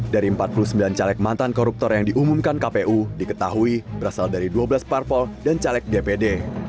dari empat puluh sembilan caleg mantan koruptor yang diumumkan kpu diketahui berasal dari dua belas parpol dan caleg dpd